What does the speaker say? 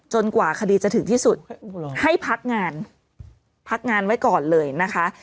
กว่าคดีจะถึงที่สุดให้พักงานพักงานไว้ก่อนเลยนะคะ